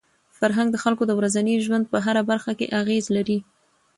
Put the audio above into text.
فرهنګ د خلکو د ورځني ژوند په هره برخه کي اغېز لري.